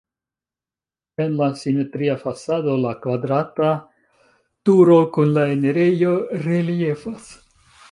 En la simetria fasado la kvadrata turo kun la enirejo reliefas.